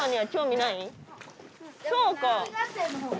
そうか。